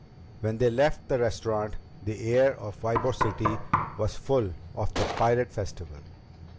When they left the restaurant, the air of Ybor City was full of the Pirate Festival.